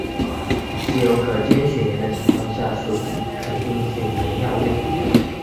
只有可兼选言的情况才属肯定选言谬误。